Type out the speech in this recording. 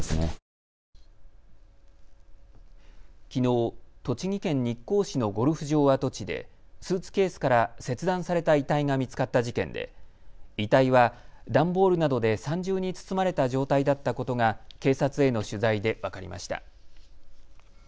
きのう、栃木県日光市のゴルフ場跡地でスーツケースから切断された遺体が見つかった事件で遺体は段ボールなどで３重に包まれた状態だったことが警察への取材で分かりました。